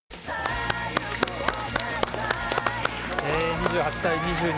２８対２２